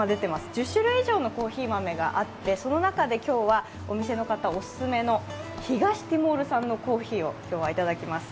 １０種類以上のコーヒー豆があってその中で今日はお店の方オススメの東ティモールさんのコーヒーを今日はいただきます。